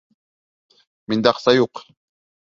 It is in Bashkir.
Миндә аҡса юҡ!